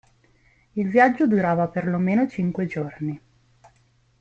Il viaggio durava per lo meno cinque giorni.